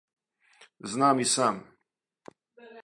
Знам и сам.